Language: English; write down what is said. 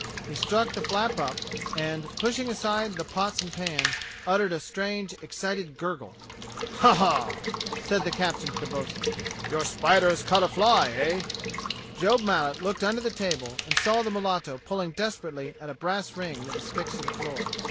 He struck the flap up and, pushing aside the pots and pans, uttered a strange, excited gurgle. Ha! ha!" said the captain to the bo'sun, "your spider has caught a fly, eh.^^" Job Mallet looked under the table and saw the mulatto pulling desperately at a brass ring that was fixed to the floor.